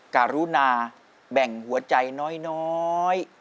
การุณาแบ่งหัวใจน้อย